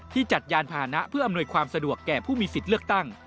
จัดยานพานะเพื่ออำนวยความสะดวกแก่ผู้มีสิทธิ์เลือกตั้ง